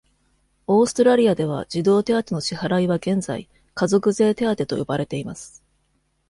オーストラリアでは、児童手当の支払いは現在、家族税手当と呼ばれています。